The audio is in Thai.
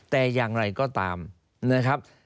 แต่อย่างไรก็ตามนะครับ